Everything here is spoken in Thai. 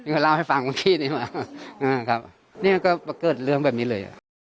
เอาให้ฟังคุณพี่นี้มานี่มันก็เกิดเรื่องแบบนี้เลย